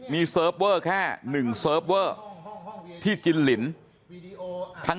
มีเซิร์ฟเวอร์แค่๑เซิร์ฟเวอร์ที่จินลิน